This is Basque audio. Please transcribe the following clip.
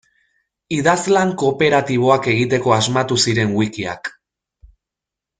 Idazlan kooperatiboak egiteko asmatu ziren wikiak.